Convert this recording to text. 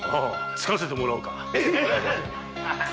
つかせてもらおうか。